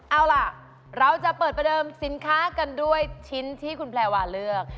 เอาล่ะเราจะเปิดประเดิมสินค้ากันด้วยชิ้นที่คุณแพรวาเลือก